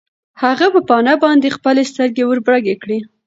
هغه په پاڼه باندې خپلې سترګې وربرګې کړې.